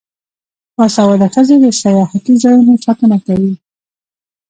باسواده ښځې د سیاحتي ځایونو ساتنه کوي.